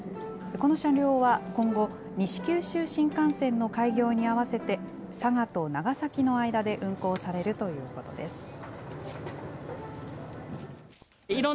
この車両は今後、西九州新幹線の開業に合わせて、佐賀と長崎の間で運行されるということです。